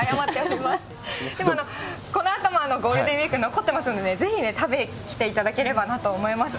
でもこのあとも、ゴールデンウィーク、残ってますんでね、ぜひね、食べに来ていただければなと思います。